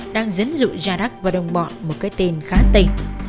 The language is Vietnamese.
đang dẫn dụ giardak và đồng bọn một cái tên khá tình